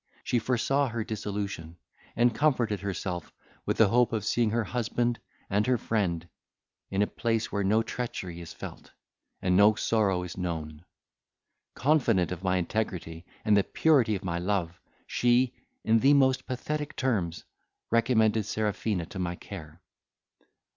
She foresaw her dissolution, and comforted herself with the hope of seeing her husband and her friend in a place where no treachery is felt, and no sorrow is known; confident of my integrity, and the purity of my love, she, in the most pathetic terms, recommended Serafina to my care.